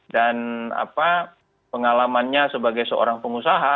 dan apa pengalamannya sebagai seorang pengusaha